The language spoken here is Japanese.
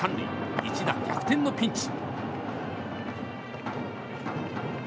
一打逆転のピンチ。